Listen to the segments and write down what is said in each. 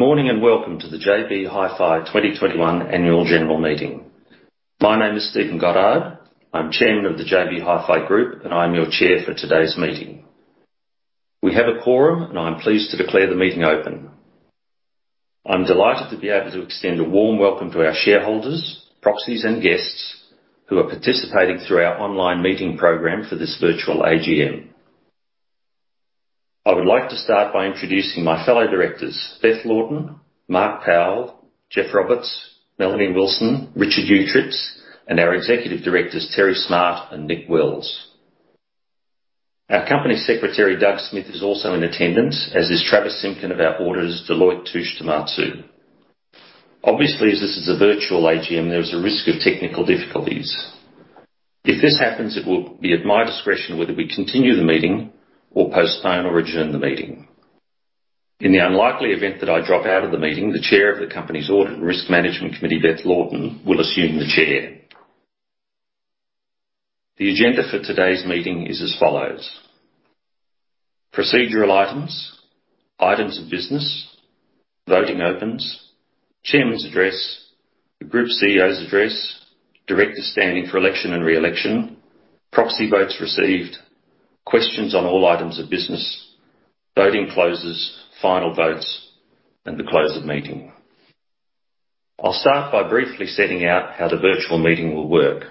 Good morning, and welcome to the JB Hi-Fi 2021 Annual General Meeting. My name is Stephen Goddard. I'm Chairman of the JB Hi-Fi Group, and I'm your chair for today's meeting. We have a quorum, and I'm pleased to declare the meeting open. I'm delighted to be able to extend a warm welcome to our shareholders, proxies, and guests who are participating through our online meeting program for this virtual AGM. I would like to start by introducing my fellow directors, Beth Laughton, Mark Powell, Geoff Roberts, Melanie Wilson, Richard Uechtritz, and our executive directors, Terry Smart and Nick Wells. Our Company Secretary, Doug Smith, is also in attendance, as is Travis Simkin of our auditors, Deloitte Touche Tohmatsu. Obviously, as this is a virtual AGM, there is a risk of technical difficulties. If this happens, it will be at my discretion whether we continue the meeting or postpone or adjourn the meeting. In the unlikely event that I drop out of the meeting, the chair of the company's Audit and Risk Management Committee, Beth Laughton, will assume the chair. The agenda for today's meeting is as follows. Procedural items. Items of business. Voting opens. Chairman's address. The Group CEO's address. Directors standing for election and re-election. Proxy votes received. Questions on all items of business. Voting closes. Final votes and the close of meeting. I'll start by briefly setting out how the virtual meeting will work.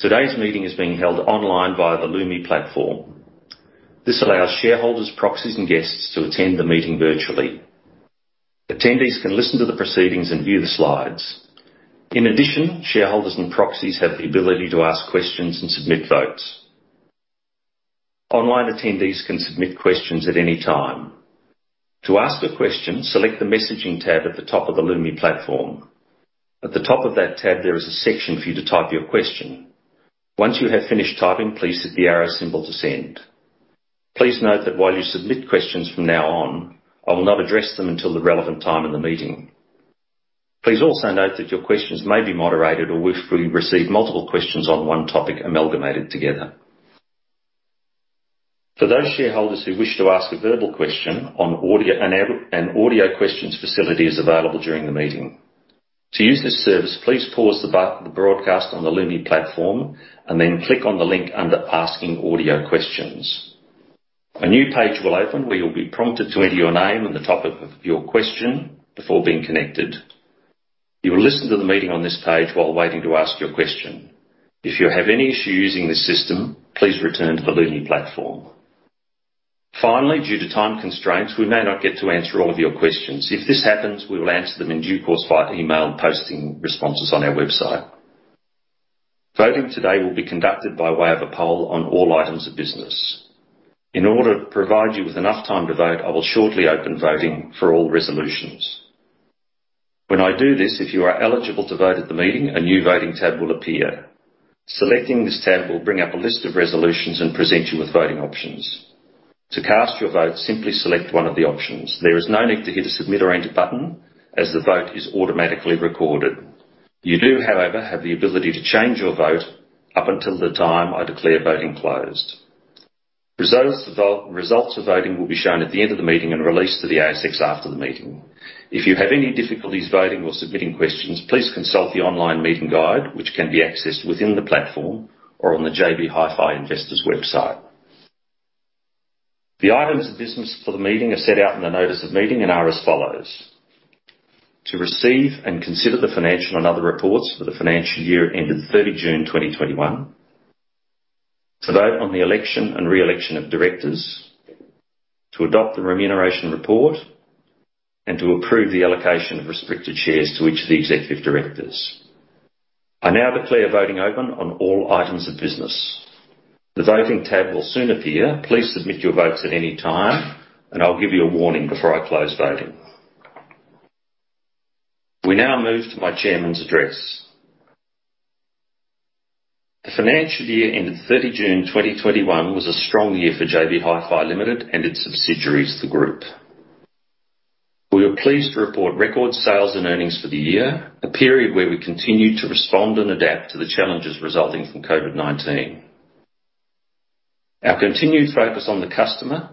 Today's meeting is being held online via the Lumi platform. This allows shareholders, proxies, and guests to attend the meeting virtually. Attendees can listen to the proceedings and view the slides. In addition, shareholders and proxies have the ability to ask questions and submit votes. Online attendees can submit questions at any time. To ask a question, select the Messaging tab at the top of the Lumi platform. At the top of that tab, there is a section for you to type your question. Once you have finished typing, please hit the arrow symbol to send. Please note that while you submit questions from now on, I will not address them until the relevant time in the meeting. Please also note that your questions may be moderated, or if we receive multiple questions on one topic, amalgamated together. For those shareholders who wish to ask a verbal question on audio, an audio questions facility is available during the meeting. To use this service, please pause the broadcast on the Lumi platform and then click on the link under Asking Audio Questions. A new page will open where you'll be prompted to enter your name and the topic of your question before being connected. You will listen to the meeting on this page while waiting to ask your question. If you have any issue using this system, please return to the Lumi platform. Finally, due to time constraints, we may not get to answer all of your questions. If this happens, we will answer them in due course via email and posting responses on our website. Voting today will be conducted by way of a poll on all items of business. In order to provide you with enough time to vote, I will shortly open voting for all resolutions. When I do this, if you are eligible to vote at the meeting, a new Voting tab will appear. Selecting this tab will bring up a list of resolutions and present you with voting options. To cast your vote, simply select one of the options. There is no need to hit a submit or enter button as the vote is automatically recorded. You do, however, have the ability to change your vote up until the time I declare voting closed. Results of voting will be shown at the end of the meeting and released to the ASX after the meeting. If you have any difficulties voting or submitting questions, please consult the online meeting guide, which can be accessed within the platform or on the JB Hi-Fi investors website. The items of business for the meeting are set out in the notice of meeting and are as follows. To receive and consider the financial and other reports for the financial year ending 30 June 2021. To vote on the election and re-election of directors. To adopt the remuneration report. To approve the allocation of restricted shares to each of the executive directors. I now declare voting open on all items of business. The Voting tab will soon appear. Please submit your votes at any time, and I'll give you a warning before I close voting. We now move to my chairman's address. The financial year ended 30 June 2021 was a strong year for JB Hi-Fi Limited and its subsidiaries, the group. We are pleased to report record sales and earnings for the year, a period where we continued to respond and adapt to the challenges resulting from COVID-19. Our continued focus on the customer,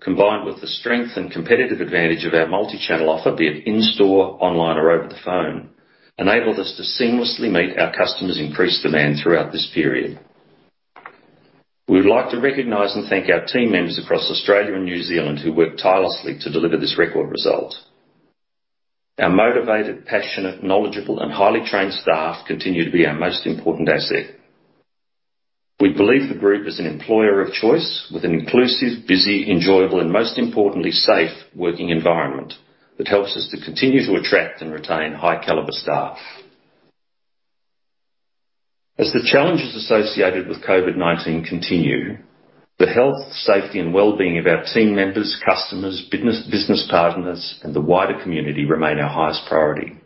combined with the strength and competitive advantage of our multi-channel offer, be it in-store, online or over the phone, enabled us to seamlessly meet our customers' increased demand throughout this period. We would like to recognize and thank our team members across Australia and New Zealand who worked tirelessly to deliver this record result. Our motivated, passionate, knowledgeable, and highly trained staff continue to be our most important asset. We believe the group is an employer of choice with an inclusive, busy, enjoyable, and, most importantly, safe working environment that helps us to continue to attract and retain high-caliber staff. As the challenges associated with COVID-19 continue, the health, safety, and well-being of our team members, customers, business partners, and the wider community remain our highest priority.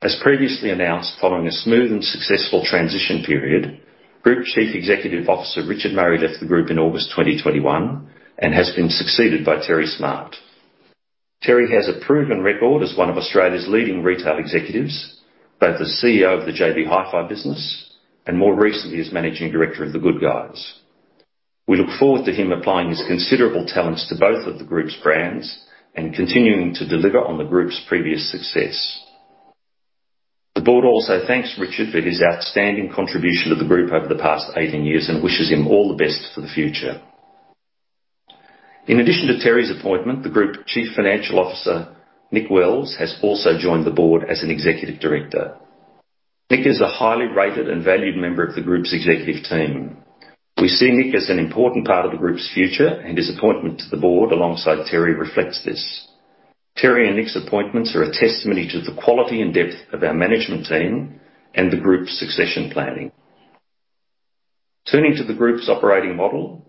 As previously announced, following a smooth and successful transition period, Group Chief Executive Officer Richard Murray left the group in August 2021 and has been succeeded by Terry Smart. Terry has a proven record as one of Australia's leading retail executives, both as CEO of the JB Hi-Fi business and more recently as Managing Director of The Good Guys. We look forward to him applying his considerable talents to both of the group's brands and continuing to deliver on the group's previous success. The board also thanks Richard for his outstanding contribution to the group over the past 18 years and wishes him all the best for the future. In addition to Terry's appointment, the Group Chief Financial Officer, Nick Wells, has also joined the board as an Executive Director. Nick is a highly rated and valued member of the group's executive team. We see Nick as an important part of the group's future, and his appointment to the board alongside Terry reflects this. Terry and Nick's appointments are a testimony to the quality and depth of our management team and the group's succession planning. Turning to the group's operating model,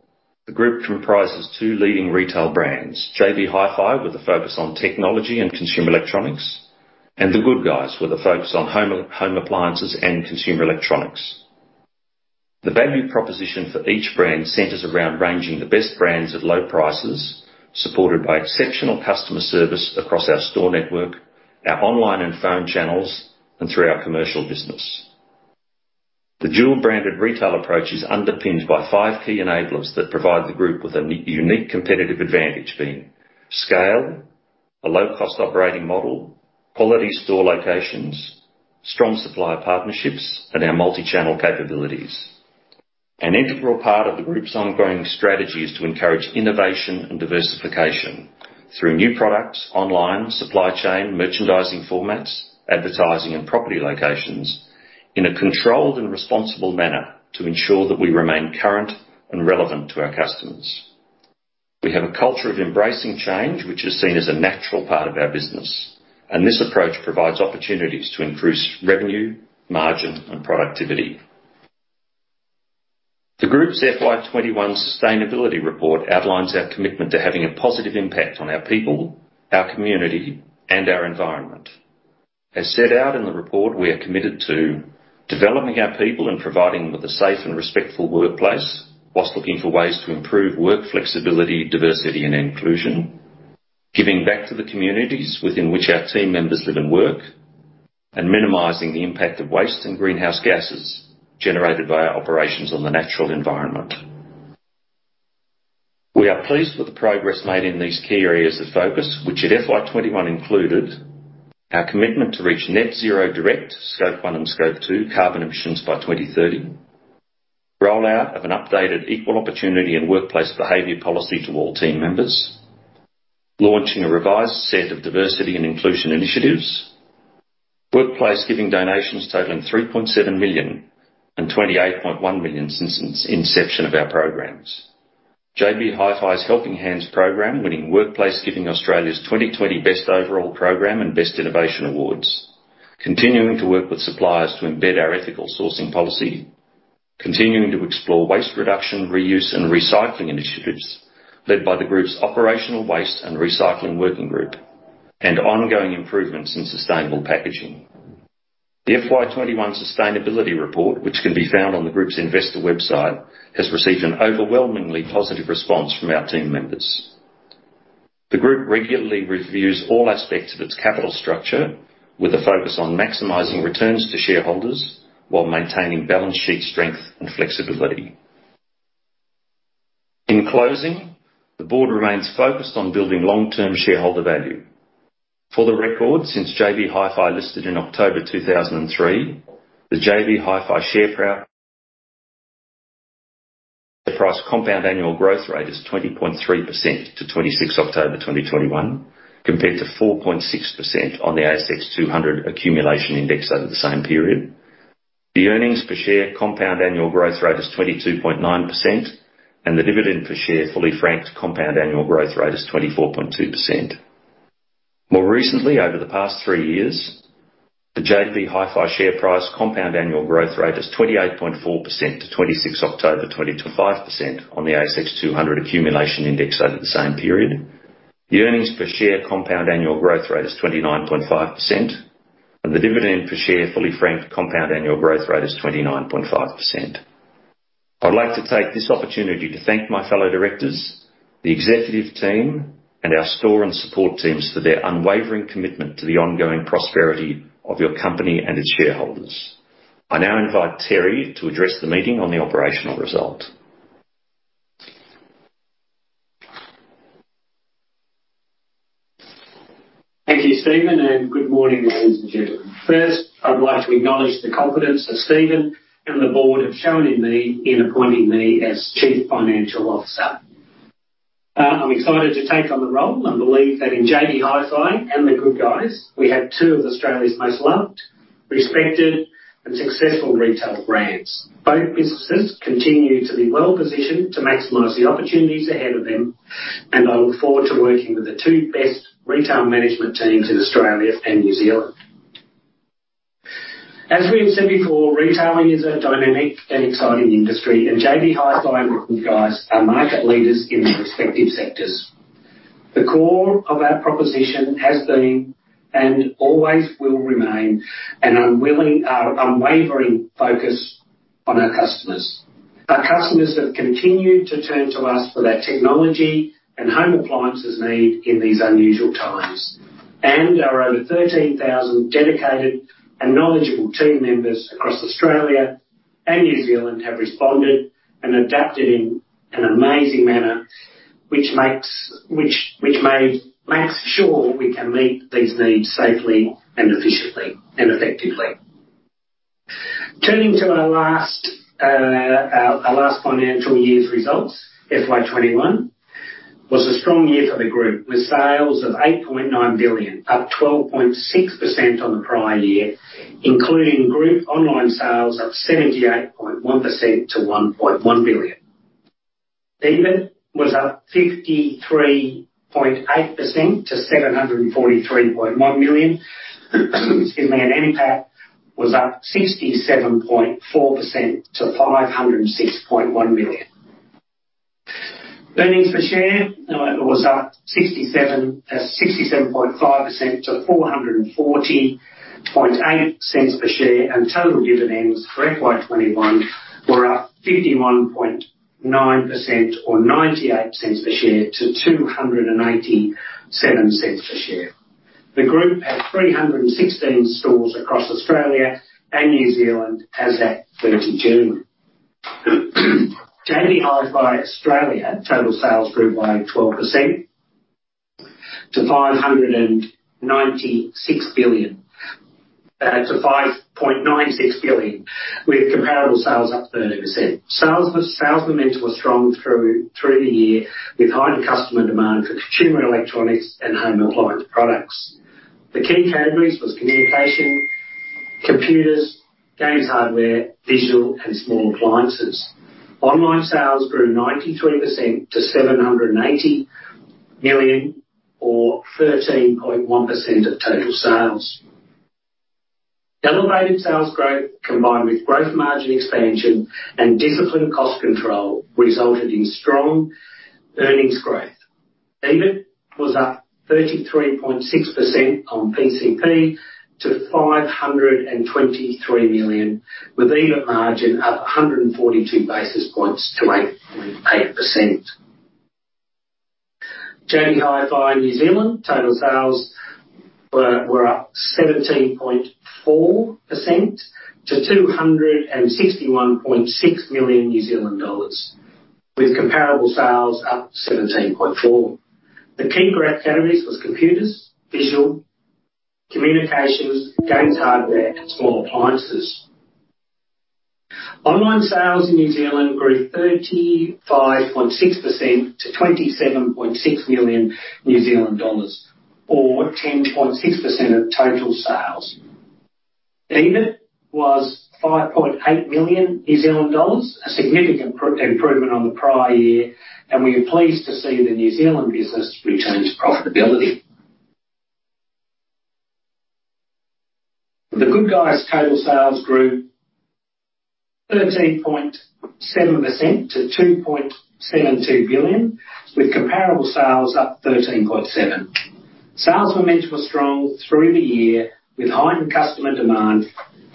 the group comprises two leading retail brands, JB Hi-Fi, with a focus on technology and consumer electronics, and The Good Guys, with a focus on home appliances and consumer electronics. The value proposition for each brand centers around ranging the best brands at low prices, supported by exceptional customer service across our store network, our online and phone channels, and through our commercial business. The dual-branded retail approach is underpinned by five key enablers that provide the group with a unique competitive advantage, being scale, a low-cost operating model, quality store locations, strong supplier partnerships, and our multi-channel capabilities. An integral part of the group's ongoing strategy is to encourage innovation and diversification through new products, online, supply chain, merchandising formats, advertising, and property locations in a controlled and responsible manner to ensure that we remain current and relevant to our customers. We have a culture of embracing change, which is seen as a natural part of our business, and this approach provides opportunities to increase revenue, margin, and productivity. The group's FY 2021 sustainability report outlines our commitment to having a positive impact on our people, our community, and our environment. As set out in the report, we are committed to developing our people and providing them with a safe and respectful workplace while looking for ways to improve work flexibility, diversity, and inclusion. Giving back to the communities within which our team members live and work, and minimizing the impact of waste and greenhouse gases generated by our operations on the natural environment. We are pleased with the progress made in these key areas of focus, which at FY 2021 included our commitment to reach net zero direct Scope 1 and Scope 2 carbon emissions by 2030. Rollout of an updated equal opportunity and workplace behavior policy to all team members. Launching a revised set of diversity and inclusion initiatives. Workplace giving donations totaling 3.7 million and 28.1 million since inception of our programs. JB Hi-Fi's Helping Hands program winning Workplace Giving Australia's 2020 Best Overall Program and Best Innovation awards. Continuing to work with suppliers to embed our ethical sourcing policy. Continuing to explore waste reduction, reuse, and recycling initiatives led by the group's operational waste and recycling working group, and ongoing improvements in sustainable packaging. The FY 2021 sustainability report, which can be found on the group's investor website, has received an overwhelmingly positive response from our team members. The group regularly reviews all aspects of its capital structure with a focus on maximizing returns to shareholders while maintaining balance sheet strength and flexibility. In closing, the board remains focused on building long-term shareholder value. For the record, since JB Hi-Fi listed in October 2003, the JB Hi-Fi share price compound annual growth rate is 20.3% to 26 October 2021, compared to 4.6% on the ASX 200 accumulation index over the same period. The earnings per share compound annual growth rate is 22.9%, and the dividend per share, fully franked compound annual growth rate is 24.2%. More recently, over the past three years, the JB Hi-Fi share price compound annual growth rate is 28.4% to 26 October 2021, 5% on the ASX 200 Accumulation Index over the same period. The earnings per share compound annual growth rate is 29.5%, and the dividend per share, fully franked compound annual growth rate is 29.5%. I'd like to take this opportunity to thank my fellow directors, the executive team, and our store and support teams for their unwavering commitment to the ongoing prosperity of your company and its shareholders. I now invite Terry to address the meeting on the operational result. Thank you, Stephen, and good morning, ladies and gentlemen. First, I'd like to acknowledge the confidence that Stephen and the board have shown in me in appointing me as Chief Financial Officer. I'm excited to take on the role and believe that in JB Hi-Fi and The Good Guys, we have two of Australia's most loved, respected, and successful retail brands. Both businesses continue to be well-positioned to maximize the opportunities ahead of them, and I look forward to working with the two best retail management teams in Australia and New Zealand. As we have said before, retailing is a dynamic and exciting industry, and JB Hi-Fi and The Good Guys are market leaders in their respective sectors. The core of our proposition has been and always will remain an unwavering focus on our customers. Our customers have continued to turn to us for their technology and home appliances need in these unusual times. Our over 13,000 dedicated and knowledgeable team members across Australia and New Zealand have responded and adapted in an amazing manner which makes sure we can meet these needs safely and efficiently and effectively. Turning to our last financial year's results, FY 2021 was a strong year for the group, with sales of 8.9 billion, up 12.6% on the prior year, including group online sales up 78.1% to 1.1 billion. EBIT was up 53.8% to 743.1 million. Excuse me. NPAT was up 67.4% to 506.1 million. Earnings per share was up 67.5% to AUD 4.408 per share. Total dividends for FY 2021 were up 51.9% or 0.98 per share to 2.87 per share. The group had 316 stores across Australia and New Zealand as at 30 June. JB Hi-Fi Australia total sales grew by 12% to AUD 5.96 billion, with comparable sales up 13%. Sales momentum was strong through the year, with heightened customer demand for consumer electronics and home appliance products. The key categories was communication, computers, games hardware, visual, and small appliances. Online sales grew 93% to 780 million or 13.1% of total sales. Elevated sales growth, combined with growth margin expansion and disciplined cost control, resulted in strong earnings growth. EBIT was up 33.6% on PCP to 523 million, with EBIT margin up 142 basis points to 8.8%. JB Hi-Fi in New Zealand, total sales were up 17.4% to 261.6 million New Zealand dollars, with comparable sales up 17.4%. The key growth categories was computers, visual, communications, games, hardware, and small appliances. Online sales in New Zealand grew 35.6% to NZD 27.6 million or 10.6% of total sales. EBIT was 5.8 million New Zealand dollars, a significant improvement on the prior year, and we are pleased to see the New Zealand business return to profitability. The Good Guys total sales grew 13.7% to 2.72 billion, with comparable sales up 13.7%. Sales momentum was strong through the year with heightened customer demand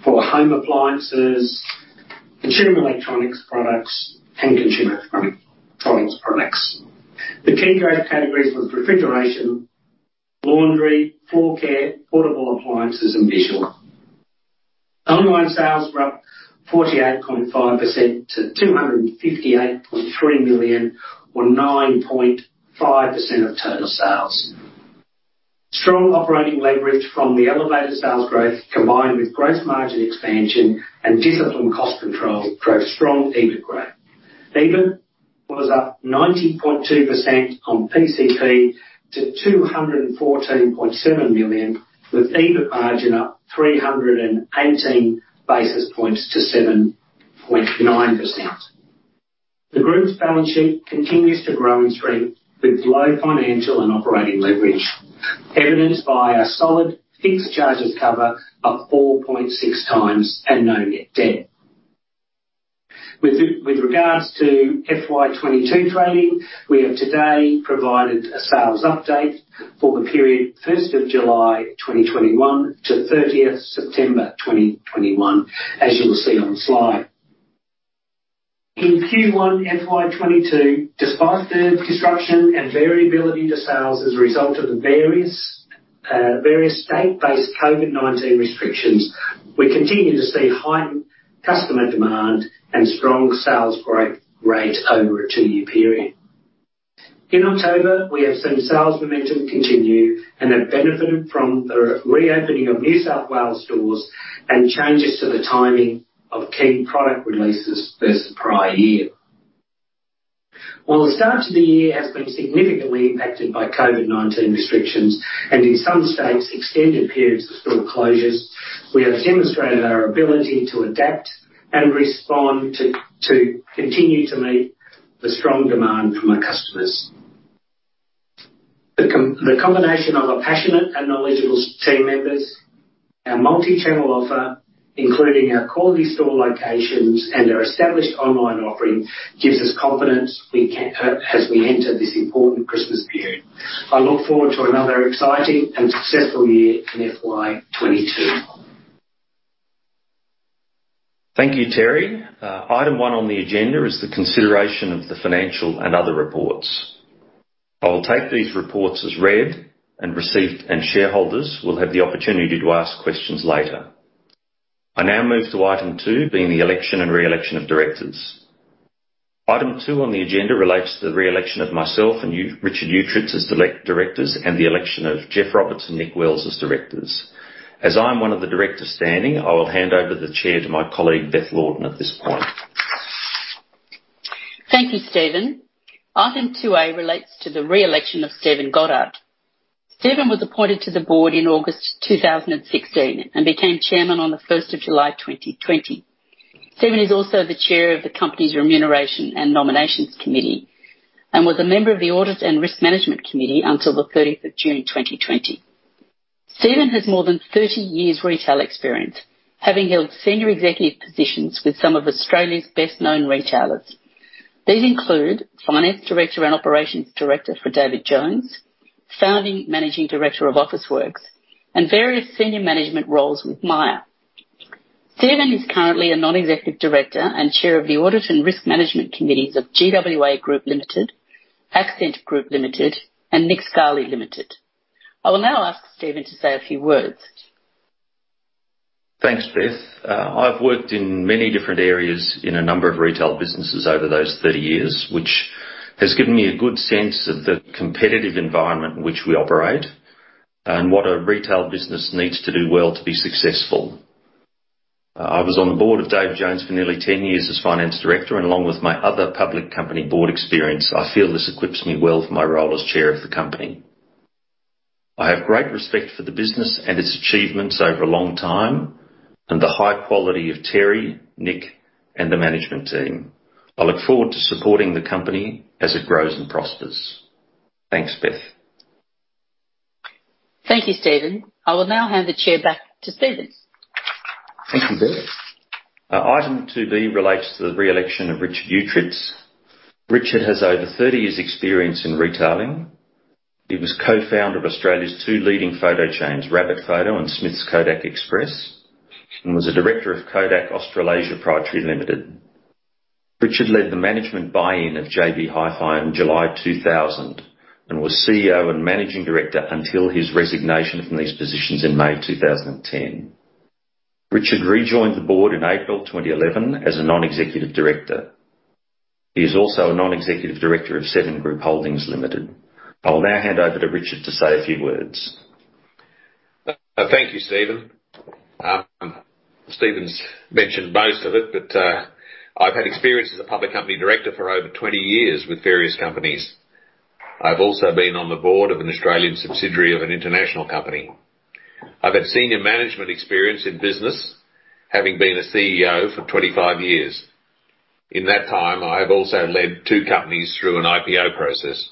for home appliances and consumer electronics products. The key growth categories was refrigeration, laundry, floor care, portable appliances, and visual. Online sales were up 48.5% to 258.3 million or 9.5% of total sales. Strong operating leverage from the elevated sales growth, combined with gross margin expansion and disciplined cost control, drove strong EBIT growth. EBIT was up 90.2% on PCP to 214.7 million, with EBIT margin up 318 basis points to 7.9%. The group's balance sheet continues to grow and strengthen with low financial and operating leverage, evidenced by a solid fixed charges cover of 4.6x and no net debt. With regards to FY 2022 trading, we have today provided a sales update for the period 1st of July 2021 to 30th September 2021, as you will see on the slide. In Q1 FY 2022, despite the disruption and variability to sales as a result of the various state-based COVID-19 restrictions, we continue to see heightened customer demand and strong sales growth rate over a two-year period. In October, we have seen sales momentum continue and have benefited from the reopening of New South Wales stores and changes to the timing of key product releases versus the prior year. While the start to the year has been significantly impacted by COVID-19 restrictions and, in some states, extended periods of store closures, we have demonstrated our ability to adapt and respond, to continue to meet the strong demand from our customers. The combination of our passionate and knowledgeable team members, our multi-channel offer, including our quality store locations and our established online offering, gives us confidence we can, as we enter this important Christmas period. I look forward to another exciting and successful year in FY 2022. Thank you, Terry. Item one on the agenda is the consideration of the financial and other reports. I will take these reports as read and received, and shareholders will have the opportunity to ask questions later. I now move to item two, being the election and re-election of directors. Item two on the agenda relates to the re-election of myself and Richard Uechtritz as directors, and the election of Geoff Roberts and Nick Wells as directors. As I'm one of the directors standing, I will hand over the chair to my colleague, Beth Laughton, at this point. Thank you, Stephen. Item 2A relates to the re-election of Stephen Goddard. Stephen was appointed to the board in August 2016 and became chairman on the 1st of Jul 2020. Stephen is also the chair of the company's Remuneration and Nominations Committee and was a member of the Audit and Risk Management Committee until the 30th of June 2020. Stephen has more than 30 years retail experience, having held senior executive positions with some of Australia's best-known retailers. These include finance director and operations director for David Jones, founding managing director of Officeworks, and various senior management roles with Myer. Stephen is currently a non-executive director and chair of the Audit and Risk Management Committees of GWA Group Limited, Accent Group Limited, and Nick Scali Limited. I will now ask Stephen to say a few words. Thanks, Beth. I've worked in many different areas in a number of retail businesses over those 30 years, which has given me a good sense of the competitive environment in which we operate and what a retail business needs to do well to be successful. I was on the board of David Jones for nearly 10 years as finance director and along with my other public company board experience, I feel this equips me well for my role as chair of the company. I have great respect for the business and its achievements over a long time, and the high quality of Terry, Nick, and the management team. I look forward to supporting the company as it grows and prospers. Thanks, Beth. Thank you, Stephen. I will now hand the chair back to Stephen. Thank you, Beth. Item 2B relates to the re-election of Richard Uechtritz. Richard has over 30 years' experience in retailing. He was co-founder of Australia's two leading photo chains, Rabbit Photo and Smiths Kodak Express, and was a director of Kodak (Australasia) Proprietary Limited. Richard led the management buy-in of JB Hi-Fi in July 2000 and was CEO and managing director until his resignation from these positions in May 2010. Richard rejoined the board in April 2011 as a non-executive director. He is also a non-executive director of Seven Group Holdings Limited. I'll now hand over to Richard to say a few words. Thank you, Stephen. Stephen's mentioned most of it. I've had experience as a public company director for over 20 years with various companies. I've also been on the board of an Australian subsidiary of an international company. I've had senior management experience in business, having been a CEO for 25 years. In that time, I have also led two companies through an IPO process.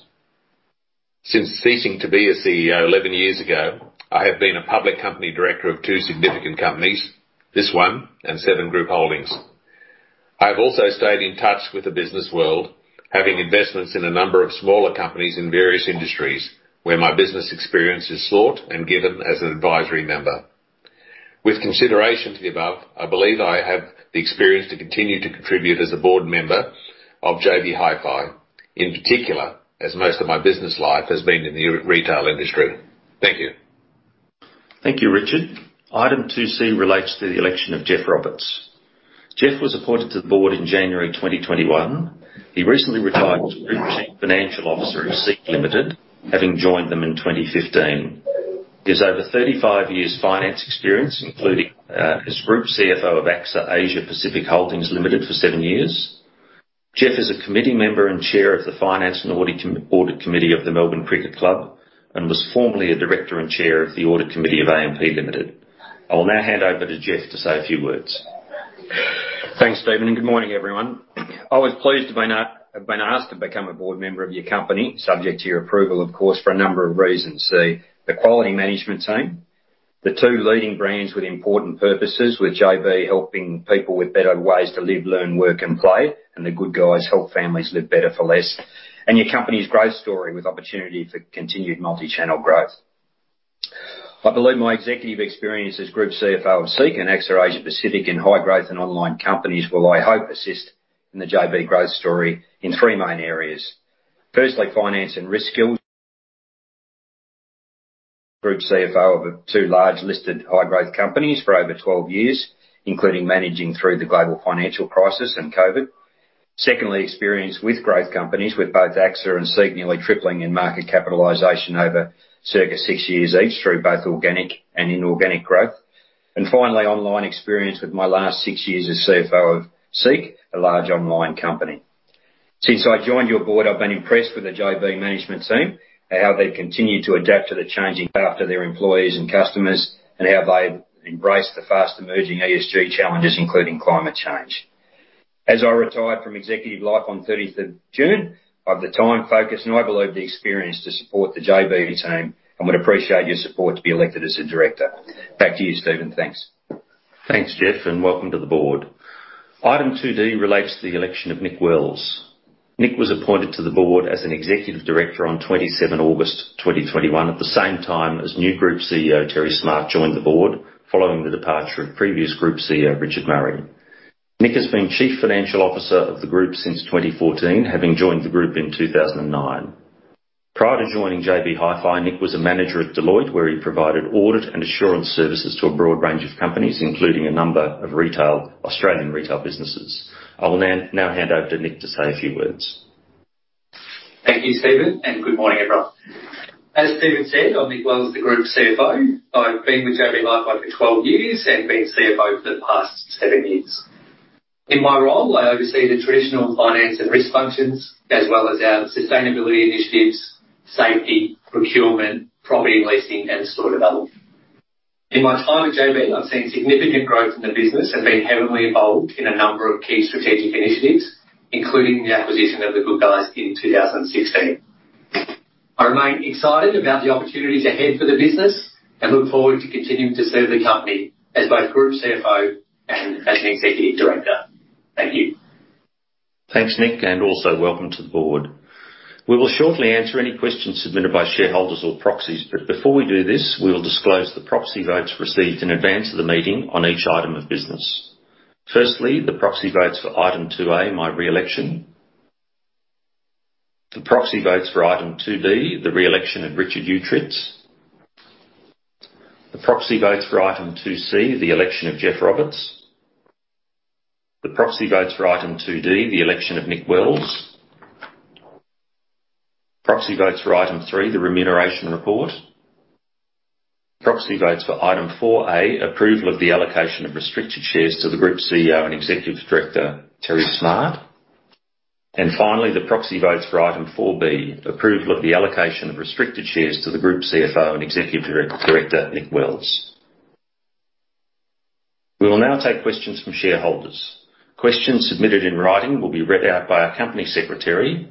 Since ceasing to be a CEO 11 years ago, I have been a public company director of two significant companies, this one and Seven Group Holdings. I've also stayed in touch with the business world, having investments in a number of smaller companies in various industries where my business experience is sought and given as an advisory member. With consideration to the above, I believe I have the experience to continue to contribute as a board member of JB Hi-Fi, in particular, as most of my business life has been in the retail industry. Thank you. Thank you, Richard. Item 2C relates to the election of Geoff Roberts. Geoff was appointed to the board in January 2021. He recently retired as Group Chief Financial Officer of SEEK Limited, having joined them in 2015. He has over 35 years' finance experience, including as Group CFO of AXA Asia Pacific Holdings Limited for seven years. Geoff is a committee member and chair of the Audit Committee of the Melbourne Cricket Club and was formerly a director and chair of the Audit Committee of AMP Limited. I'll now hand over to Geoff to say a few words. Thanks, Stephen, and good morning, everyone. I was pleased to have been asked to become a board member of your company, subject to your approval, of course, for a number of reasons. The quality management team, the two leading brands with important purposes, with JB helping people with better ways to live, learn, work and play, and The Good Guys help families live better for less. Your company's growth story with opportunity for continued multi-channel growth. I believe my executive experience as Group CFO of SEEK and AXA Asia Pacific in high growth and online companies will, I hope, assist in the JB growth story in three main areas. Firstly, finance and risk skills. Group CFO of two large listed high growth companies for over 12 years, including managing through the global financial crisis and COVID. Secondly, experience with growth companies with both AXA and SEEK nearly tripling in market capitalization over circa six years each through both organic and inorganic growth. Finally, online experience with my last six years as CFO of SEEK, a large online company. Since I joined your board, I've been impressed with the JB management team and how they've continued to adapt to the changing needs of their employees and customers and how they've embraced the fast-emerging ESG challenges, including climate change. As I retired from executive life on 30th of June, I have the time, focus, and I believe the experience to support the JB team and would appreciate your support to be elected as a director. Back to you, Stephen. Thanks. Thanks, Geoff, and welcome to the board. Item 2D relates to the election of Nick Wells. Nick was appointed to the board as an executive director on 27 August 2021, at the same time as new Group CEO, Terry Smart, joined the board following the departure of previous Group CEO, Richard Murray. Nick has been Chief Financial Officer of the group since 2014, having joined the group in 2009. Prior to joining JB Hi-Fi, Nick was a manager at Deloitte, where he provided audit and assurance services to a broad range of companies, including a number of retail, Australian retail businesses. I will now hand over to Nick to say a few words. Thank you, Stephen, and good morning, everyone. As Stephen said, I'm Nick Wells, the Group CFO. I've been with JB Hi-Fi for 12 years and been CFO for the past seven years. In my role, I oversee the traditional finance and risk functions, as well as our sustainability initiatives, safety, procurement, property leasing, and store development. In my time at JB, I've seen significant growth in the business and been heavily involved in a number of key strategic initiatives, including the acquisition of The Good Guys in 2016. I remain excited about the opportunities ahead for the business and look forward to continuing to serve the company as both Group CFO and as an Executive Director. Thank you. Thanks, Nick, and also welcome to the board. We will shortly answer any questions submitted by shareholders or proxies. Before we do this, we will disclose the proxy votes received in advance of the meeting on each item of business. Firstly, the proxy votes for item 2A, my re-election. The proxy votes for item 2B, the re-election of Richard Uechtritz. The proxy votes for item 2C, the election of Geoff Roberts. The proxy votes for item 2D, the election of Nick Wells. Proxy votes for item 3, the Remuneration Report. Proxy votes for item 4A, approval of the allocation of restricted shares to the Group CEO and Executive Director, Terry Smart. Finally, the proxy votes for item 4B, approval of the allocation of restricted shares to the Group CFO and executive director, Nick Wells. We will now take questions from shareholders. Questions submitted in writing will be read out by our company secretary.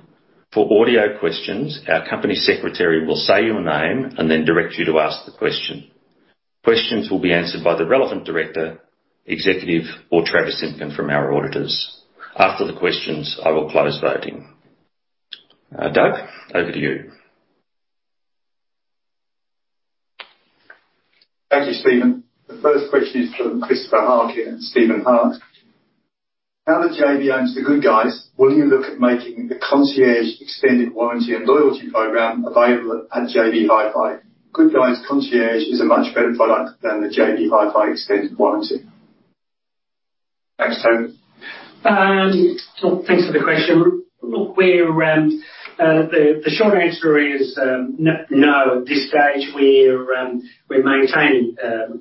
For audio questions, our company secretary will say your name and then direct you to ask the question. Questions will be answered by the relevant director, executive, or Travis Simkin from our auditors. After the questions, I will close voting. Doug, over to you. Thank you, Stephen. The first question is from Christopher Harkin and Steven Hart. Now that JB owns The Good Guys, will you look at making the Concierge extended warranty and loyalty program available at JB Hi-Fi? Good Guys Concierge is a much better product than the JB Hi-Fi extended warranty. Thanks, Terry. Thanks for the question. The short answer is no. At this stage, we're maintaining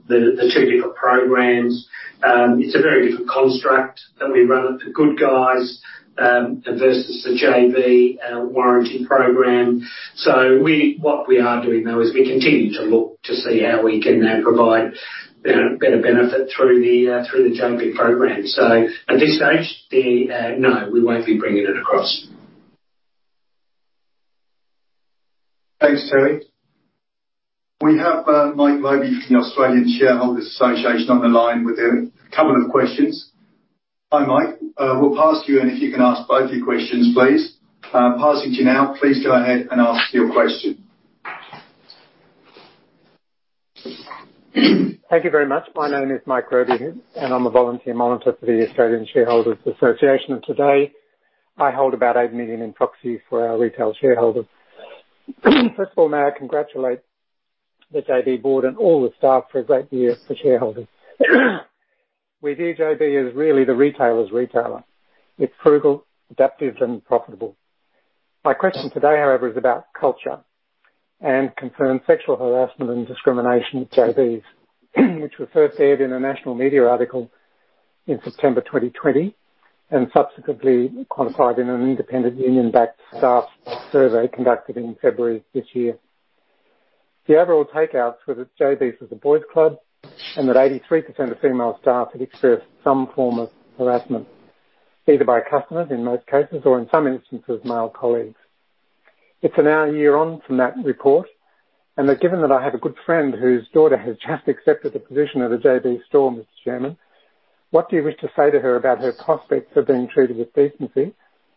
the two different programs. It's a very different construct that we run at The Good Guys versus the JB warranty program. What we are doing, though, is we continue to look to see how we can now provide better benefit through the JB program. At this stage, no, we won't be bringing it across. Thanks, Terry. We have Mike Robey from the Australian Shareholders' Association on the line with a couple of questions. Hi, Mike. We'll pass to you, and if you can ask both your questions, please. Passing to you now. Please go ahead and ask your question. Thank you very much. My name is Mike Robey, and I'm a volunteer monitor for the Australian Shareholders' Association. Today, I hold about 8 million in proxy for our retail shareholders. First of all, may I congratulate the JB board and all the staff for a great year for shareholders. We view JB as really the retailer's retailer. It's frugal, adaptive, and profitable. My question today, however, is about culture and concerns sexual harassment and discrimination at JB's, which were first aired in a national media article in September 2020 and subsequently quantified in an independent union-backed staff survey conducted in February this year. The overall takeouts were that JB's was a boys club and that 83% of female staff had experienced some form of harassment, either by customers, in most cases, or in some instances, male colleagues. It's a year on from that report, and given that I have a good friend whose daughter has just accepted the position at a JB store, Mr. Chairman, what do you wish to say to her about her prospects of being treated with decency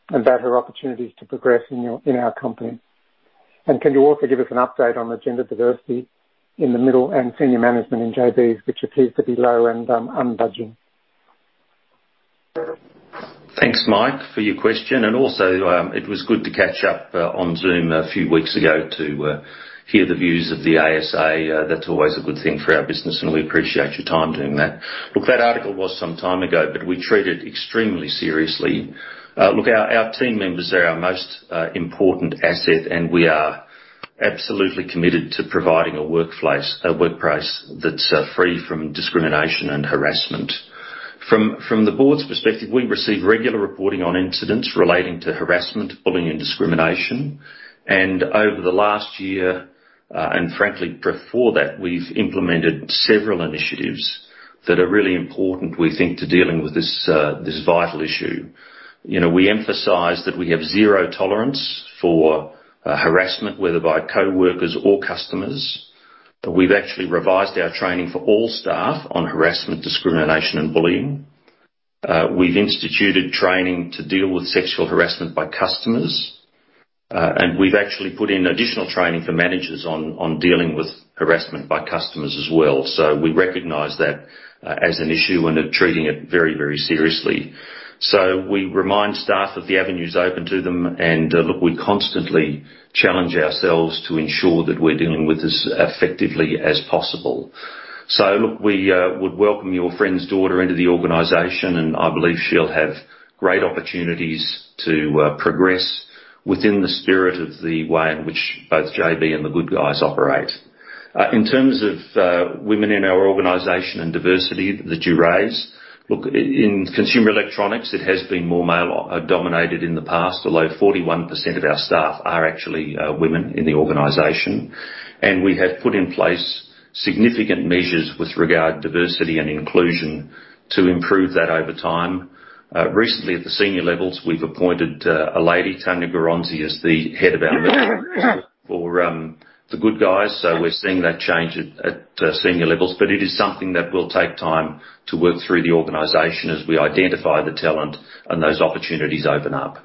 and about her opportunities to progress in your, in our company? And can you also give us an update on the gender diversity in the middle and senior management in JB's, which appears to be low and unbudging? Thanks, Mike, for your question. Also, it was good to catch up on Zoom a few weeks ago to hear the views of the ASA. That's always a good thing for our business, and we appreciate your time doing that. Look, that article was some time ago, but we treat it extremely seriously. Look, our team members, they're our most important asset, and we are absolutely committed to providing a workplace that's free from discrimination and harassment. From the board's perspective, we receive regular reporting on incidents relating to harassment, bullying, and discrimination. Over the last year, and frankly, before that, we've implemented several initiatives that are really important, we think, to dealing with this vital issue. You know, we emphasize that we have zero tolerance for harassment, whether by coworkers or customers. We've actually revised our training for all staff on harassment, discrimination, and bullying. We've instituted training to deal with sexual harassment by customers. We've actually put in additional training for managers on dealing with harassment by customers as well. We recognize that as an issue and are treating it very, very seriously. We remind staff of the avenues open to them and, look, we constantly challenge ourselves to ensure that we're dealing with this as effectively as possible. Look, we would welcome your friend's daughter into the organization, and I believe she'll have great opportunities to progress within the spirit of the way in which both JB and The Good Guys operate. In terms of women in our organization and diversity that you raise, look, in consumer electronics, it has been more male-dominated in the past, although 41% of our staff are actually women in the organization. We have put in place significant measures with regard to diversity and inclusion to improve that over time. Recently at the senior levels, we've appointed a lady, Tania Garonzi, as the head for The Good Guys, so we're seeing that change at senior levels. It is something that will take time to work through the organization as we identify the talent and those opportunities open up.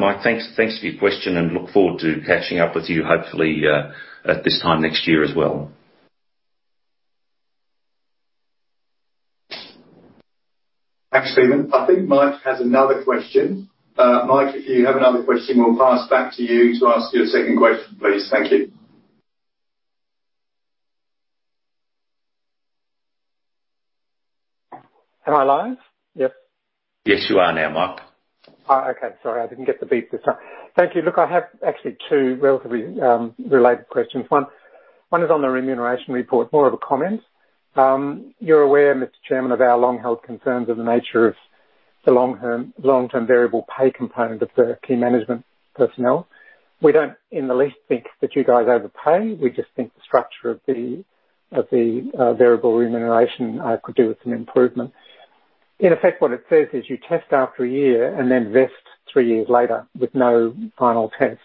Mike, thanks for your question and I look forward to catching up with you, hopefully, at this time next year as well. Thanks, Stephen. I think Mike has another question. Mike, if you have another question, we'll pass back to you to ask your second question, please. Thank you. Am I live? Yep. Yes, you are now, Mike. Oh, okay. Sorry, I didn't get the beep this time. Thank you. Look, I have actually two relatively related questions. One is on the remuneration report, more of a comment. You're aware, Mr. Chairman, of our long-held concerns of the nature of the long-term variable pay component of the key management personnel. We don't in the least think that you guys overpay. We just think the structure of the variable remuneration could do with some improvement. In effect, what it says is you test after a year and then vest three years later with no final test.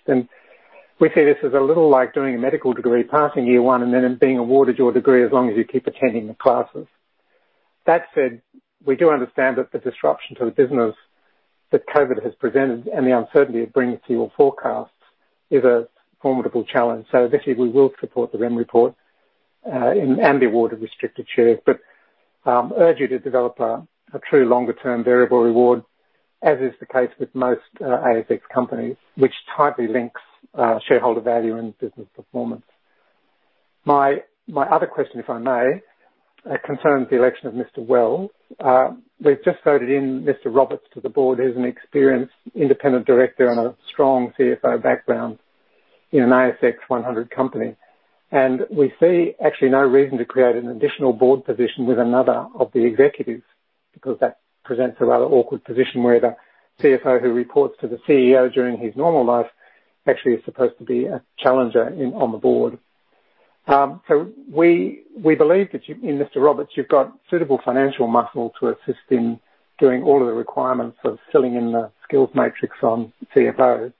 We see this as a little like doing a medical degree, passing year one, then being awarded your degree as long as you keep attending the classes. That said, we do understand that the disruption to the business that COVID has presented and the uncertainty it brings to your forecasts is a formidable challenge. Obviously, we will support the remuneration report and the award of restricted shares, but urge you to develop a true longer-term variable reward, as is the case with most ASX companies, which tightly links shareholder value and business performance. My other question, if I may, concerns the election of Mr. Wells. We've just voted in Mr. Roberts to the board as an experienced independent director and a strong CFO background in an ASX 100 company. We see actually no reason to create an additional board position with another of the executives because that presents a rather awkward position where the CFO who reports to the CEO during his normal life actually is supposed to be a challenger on the board. We believe that you and Mr. Roberts, you've got suitable financial muscle to assist in doing all of the requirements of filling in the skills matrix on CFOs.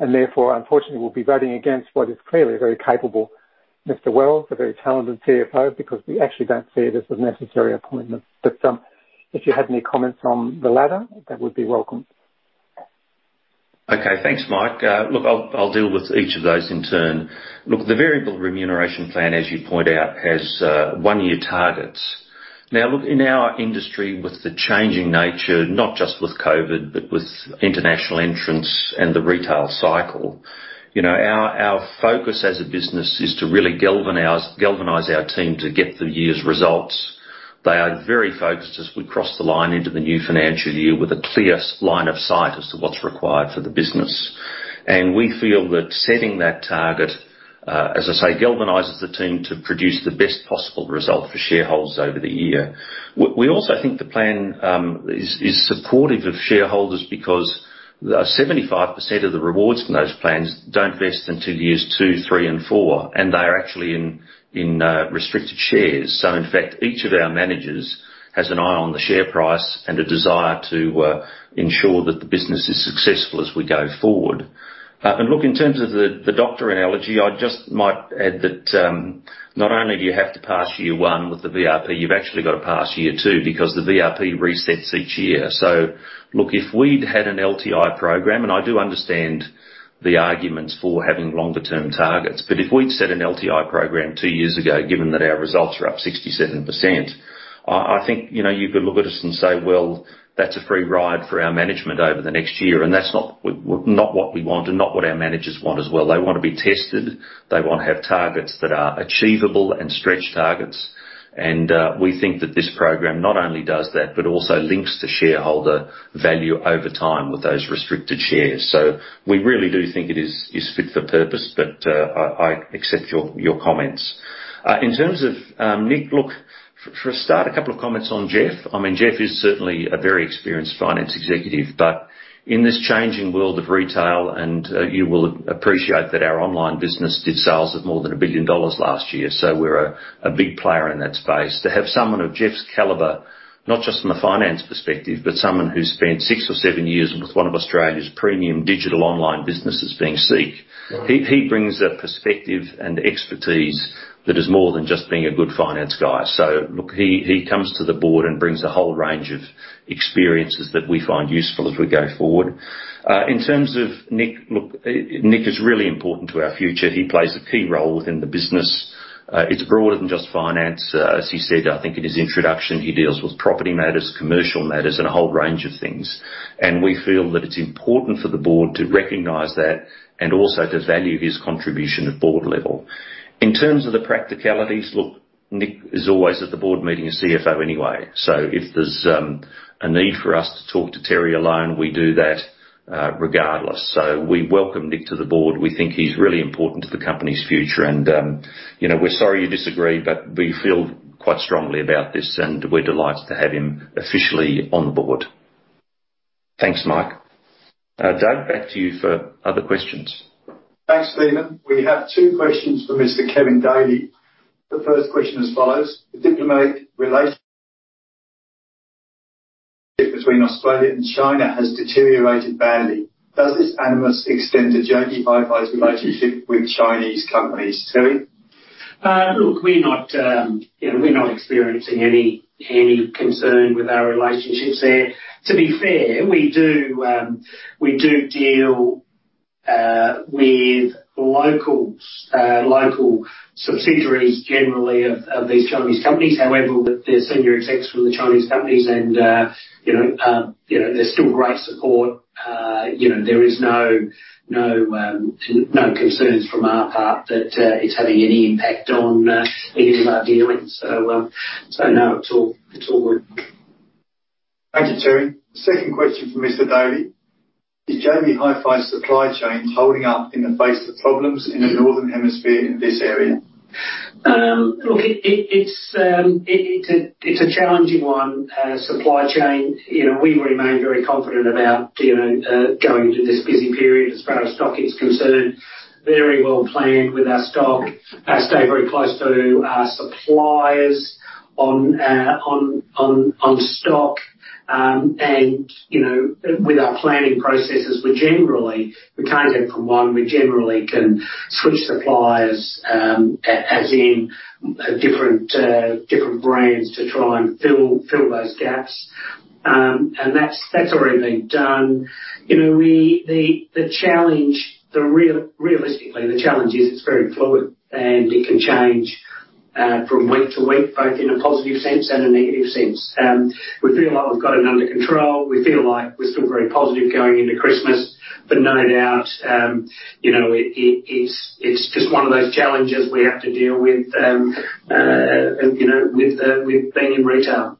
Therefore, unfortunately, we'll be voting against what is clearly a very capable Mr. Wells, a very talented CFO, because we actually don't see it as a necessary appointment. If you had any comments on the latter, that would be welcome. Okay. Thanks, Mike. Look, I'll deal with each of those in turn. Look, the variable remuneration plan, as you point out, has one-year targets. Now, look, in our industry, with the changing nature, not just with COVID, but with international entrants and the retail cycle, you know, our focus as a business is to really galvanize our team to get the year's results. They are very focused as we cross the line into the new financial year with a clear line of sight as to what's required for the business. We feel that setting that target, as I say, galvanizes the team to produce the best possible result for shareholders over the year. We also think the plan is supportive of shareholders because 75% of the rewards from those plans don't vest until years two, three, and four, and they are actually in restricted shares. In fact, each of our managers has an eye on the share price and a desire to ensure that the business is successful as we go forward. Look, in terms of the doctor analogy, I just might add that not only do you have to pass year one with the VRP, you've actually got to pass year two because the VRP resets each year. Look, if we'd had an LTI program, and I do understand the arguments for having longer-term targets, but if we'd set an LTI program two years ago, given that our results are up 67%, I think, you know, you could look at us and say, "Well, that's a free ride for our management over the next year." That's not what we want and not what our managers want as well. They wanna be tested. They wanna have targets that are achievable and stretch targets. We think that this program not only does that but also links to shareholder value over time with those restricted shares. We really do think it is fit for purpose, but I accept your comments. In terms of Nick, look, for a start, a couple of comments on Geoff. I mean, Geoff is certainly a very experienced finance executive, but in this changing world of retail, you will appreciate that our online business did sales of more than 1 billion dollars last year. We're a big player in that space. To have someone of Geoff's caliber, not just from a finance perspective, but someone who spent six or seven years with one of Australia's premium digital online businesses being SEEK, he brings a perspective and expertise that is more than just being a good finance guy. Look, he comes to the board and brings a whole range of experiences that we find useful as we go forward. In terms of Nick, look, Nick is really important to our future. He plays a key role within the business. It's broader than just finance. As he said, I think, in his introduction, he deals with property matters, commercial matters, and a whole range of things. We feel that it's important for the board to recognize that and also to value his contribution at board level. In terms of the practicalities, look, Nick is always at the board meeting a CFO anyway. If there's a need for us to talk to Terry alone, we do that, regardless. We welcome Nick to the board. We think he's really important to the company's future. You know, we're sorry you disagree, but we feel quite strongly about this, and we're delighted to have him officially on board. Thanks, Mike. Doug, back to you for other questions. Thanks, Stephen. We have two questions for Mr. Kevin Daly. The first question as follows: The diplomatic relations between Australia and China has deteriorated badly. Does this animus extend to JB Hi-Fi's relationship with Chinese companies? Terry? Look, we're not, you know, we're not experiencing any concern with our relationships there. To be fair, we do deal with local subsidiaries generally of these Chinese companies. However, with their senior execs from the Chinese companies and, you know, there's still great support. You know, there is no concerns on our part that it's having any impact on any of our dealings. No, it's all good. Thank you, Terry. Second question for Mr. Terry. Is JB Hi-Fi's supply chain holding up in the face of problems in the northern hemisphere in this area? Look, it's a challenging one, supply chain. You know, we remain very confident about, you know, going into this busy period as far as stock is concerned. Very well planned with our stock. I stay very close to our suppliers on stock. You know, with our planning processes, we generally can switch suppliers, as in different brands to try and fill those gaps. That's already been done. You know, the challenge, realistically, is it's very fluid, and it can change from week to week, both in a positive sense and a negative sense. We feel like we've got it under control. We feel like we're still very positive going into Christmas. No doubt, you know, it's just one of those challenges we have to deal with, you know, with being in retail.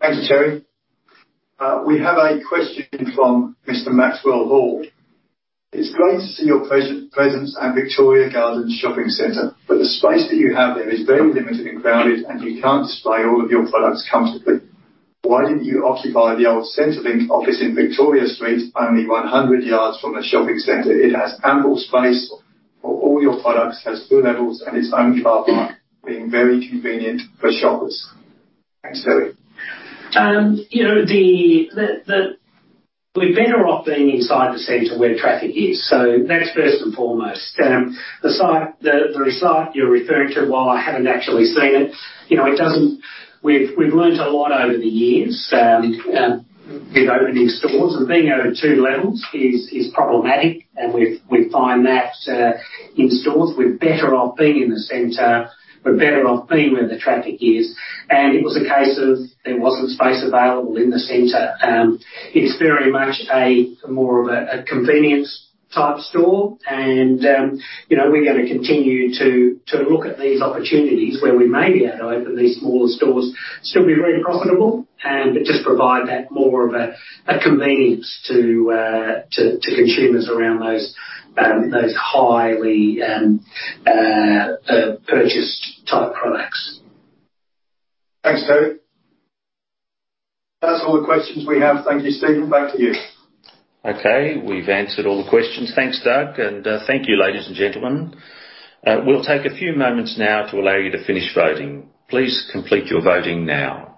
Thanks, Terry. We have a question from Mr. Maxwell Hall. It's great to see your presence at Victoria Gardens Shopping Centre, but the space that you have there is very limited and crowded, and you can't display all of your products comfortably. Why didn't you occupy the old Centrelink office in Victoria Street, only 100 yards from the shopping center? It has ample space for all your products, has two levels, and its own car park, being very convenient for shoppers. Thanks, Terry. You know, we're better off being inside the center where traffic is. That's first and foremost. The site you're referring to, while I haven't actually seen it, you know, it doesn't. We've learned a lot over the years with opening stores, and being over two levels is problematic. We find that in stores, we're better off being in the center. We're better off being where the traffic is. It was a case of there wasn't space available in the center. It's very much more of a convenience-type store and, you know, we're gonna continue to look at these opportunities where we may b able to open these smaller stores. Still be very profitable but just provide that more of a convenience to consumers around those highly purchased type products. Thanks, Terry. That's all the questions we have. Thank you, Stephen. Back to you. Okay. We've answered all the questions. Thanks, Doug, and thank you, ladies and gentlemen. We'll take a few moments now to allow you to finish voting. Please complete your voting now.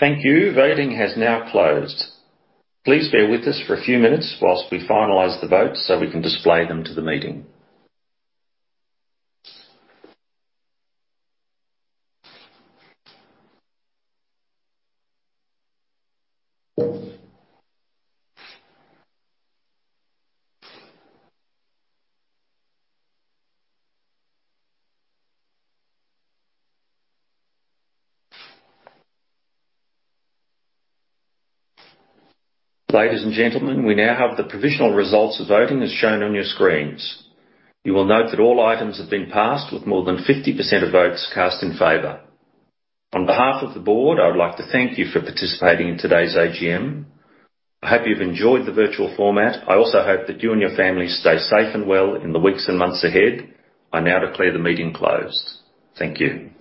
Thank you. Voting has now closed. Please bear with us for a few minutes while we finalize the votes so we can display them to the meeting. Ladies and gentlemen, we now have the provisional results of voting as shown on your screens. You will note that all items have been passed with more than 50% of votes cast in favor. On behalf of the board, I would like to thank you for participating in today's AGM. I hope you've enjoyed the virtual format. I also hope that you and your families stay safe and well in the weeks and months ahead. I now declare the meeting closed. Thank you.